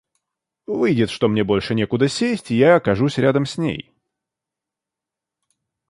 Выйдет, что мне больше некуда сесть, и я окажусь рядом с ней.